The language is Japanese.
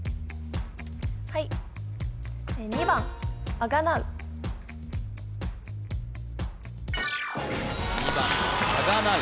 はい２番あがなう